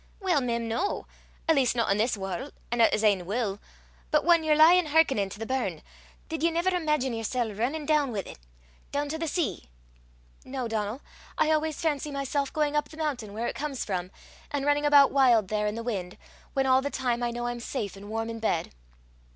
"Weel, mem, no at least no i' this warl', an' at 'is ain wull. But whan ye're lyin' hearkenin' to the burn, did ye never imaigine yersel' rinnin' doon wi' 't doon to the sea?" "No, Donal; I always fancy myself going up the mountain where it comes from, and running about wild there in the wind, when all the time I know I'm safe and warm in bed."